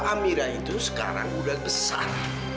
amira itu sekarang udah besar